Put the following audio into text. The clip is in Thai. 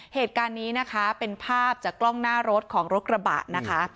เหตุการณ์นี้นะคะเป็นภาพจากกล้องหน้ารถของรถกระบะนะคะ